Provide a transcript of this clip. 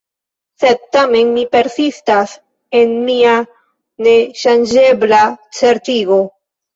Sed tamen mi persistas en mia neŝanĝebla certigo.